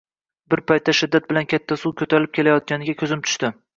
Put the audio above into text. Bir payt shiddat bilan katta suv ko`tarilib kelayotganiga ko`zim tushdi